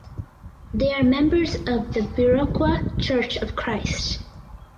They are members of the Viroqua Church of Christ.